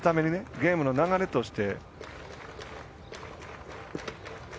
ゲームの流れとして。